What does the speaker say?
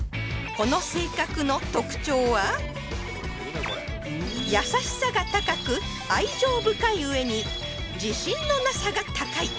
この性格の特徴は優しさが高く愛情深い上に自信のなさが高い